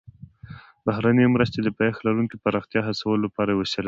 بهرنۍ مرستې د پایښت لرونکي پراختیا هڅولو لپاره یوه وسیله ده